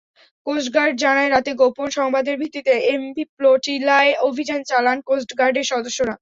Coast guard জানায়, রাতে গোপন সংবাদের ভিত্তিতে এমভি প্লোটিলায় অভিযান চালান কোস্টগার্ডের সদস্যরা।